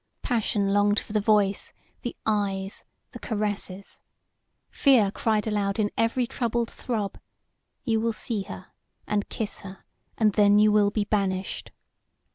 Passion longed for the voice, the eyes, the caresses; fear cried aloud in every troubled throb: "You will see her and kiss her and then you will be banished."